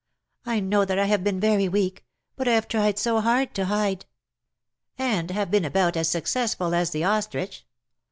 I know that I have heen very weak — but I have tried so hard to hide ''■' *'^And have been about as successful as the ostrich.